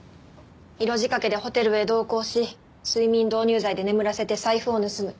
色仕掛けでホテルへ同行し睡眠導入剤で眠らせて財布を盗む。